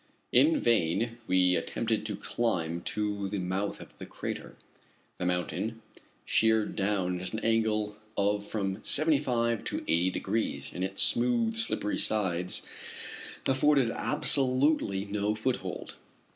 In vain we attempted to climb to the mouth of the crater. The mountain sheered down at an angle of from seventy five to eighty degrees, and its smooth, slippery sides afforded absolutely no foothold.